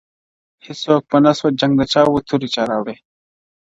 • هیڅوک پوه نه سول جنګ د چا وو توري چا راوړي -